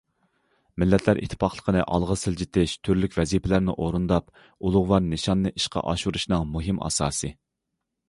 مىللەتلەر ئىتتىپاقلىقىنى ئالغا سىلجىتىش تۈرلۈك ۋەزىپىلەرنى ئورۇنداپ، ئۇلۇغۋار نىشاننى ئىشقا ئاشۇرۇشنىڭ مۇھىم ئاساسى.